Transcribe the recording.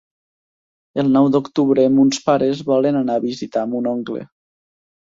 El nou d'octubre mons pares volen anar a visitar mon oncle.